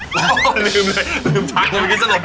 กลับมาแล้ว